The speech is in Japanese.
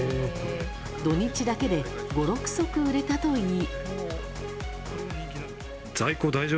土日だけで５６足売れたといい。